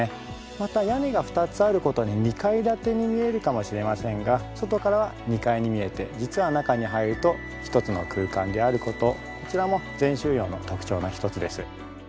また屋根が２つある事で２階建てに見えるかもしれませんが外からは２階に見えて実は中に入ると１つの空間である事こちらも禅宗様の特徴の一つです。